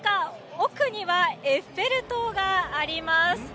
奥にはエッフェル塔があります。